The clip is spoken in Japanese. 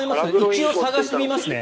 一応、探してみますね。